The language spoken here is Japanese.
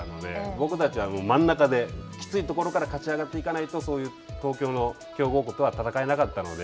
僕たちは、真ん中で、きついところから勝ち上がっていかないと、そういう東京の強豪校とは戦えなかったので。